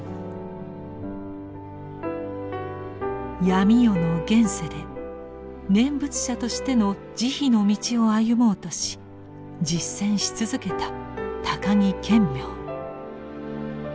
闇夜の現世で念仏者としての慈悲の道を歩もうとし実践し続けた高木顕明。